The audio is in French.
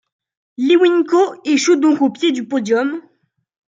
Licwinko échoue donc au pied du podium.